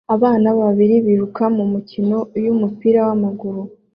Abana babiri biruka mumikino yumupira wamaguru